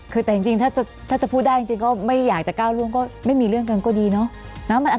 คือแต่จริงถ้าจะพูดได้จริงก็ไม่อยากจะก้าวล่วงก็ไม่มีเรื่องกันก็ดีเนาะ